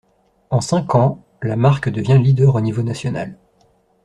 En cinq ans, la marque devient leader au niveau national.